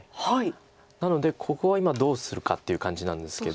なのでここは今どうするかっていう感じなんですけど。